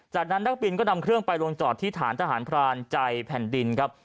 จากนั้นนักบินก็นำเครื่องไปลงจอดที่ฐานทหารพรานใจแผ่นดินครับ